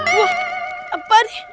wah apa nih